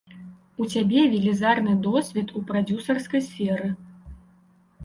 У цябе велізарны досвед у прадзюсарскай сферы.